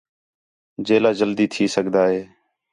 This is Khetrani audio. جیلا جلدی تھی سڳدا ہِے